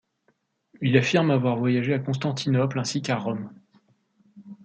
Il affirme avoir voyagé à Constantinople ainsi qu'à Rome.